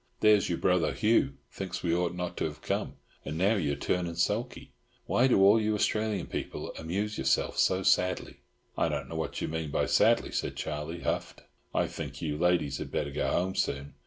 There's your brother, Hugh, thinks we ought not to have come, and now you are turning sulky. Why do all you Australian people amuse yourselves so sadly?" "I don't know what you mean by sadly," said Charlie, huffed. "I think you ladies had better go home soon.